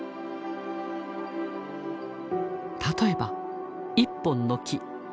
例えば１本の木。